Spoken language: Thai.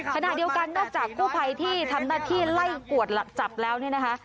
ขณะเดียวกันนอกจากกู้ภัยที่ทำหน้าที่ไล่กวดจับแล้วเนี่ยนะคะ